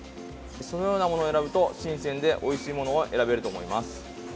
そのようなものを選ぶと新鮮でおいしいものを選べると思います。